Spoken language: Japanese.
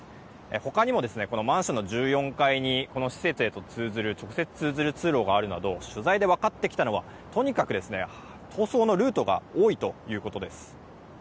他にもマンションの１４階にこの施設へと直接通ずる通路があるなど取材で分かってきたのはとにかく逃走のルートが多いということです。